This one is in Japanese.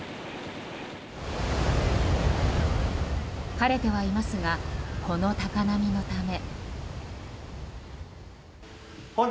晴れてはいますがこの高波のため。